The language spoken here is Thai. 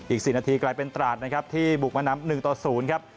อีก๔นาทีกลายเป็นตราดนะครับที่บุกมานำ๑ต่อ๐ครับ